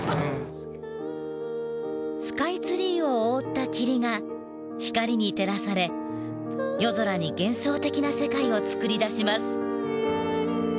スカイツリーを覆った霧が光に照らされ夜空に幻想的な世界を創り出します。